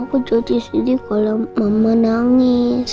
aku jadi sedih kalo mama nangis